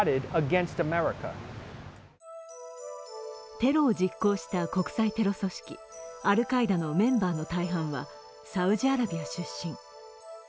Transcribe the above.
テロを実行した国際テロ組織、アルカイダのメンバーの大半はサウジアラビア出身。